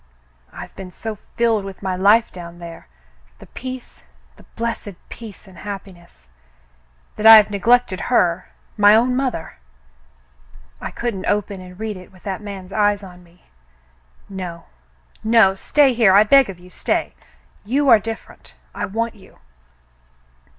I've been so filled with my life down there — the peace, the blessed peace and happiness — that I have neglected her — my own mother. I couldn't open and read it with that man's eyes on me. No, no. Stay here, I beg of you, stay. You are different. I want you."